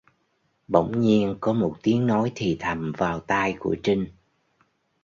Bỗng nhiên có một tiếng nói thì thầm vào tai của Trinh